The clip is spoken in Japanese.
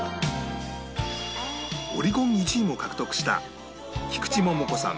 オリコン１位も獲得した菊池桃子さん